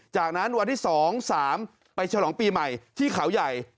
จากนั้นวันที่๒๓ไปฉลองปีใหม่ที่เขาใหญ่